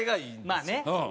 まあね。